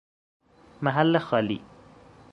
محل خالی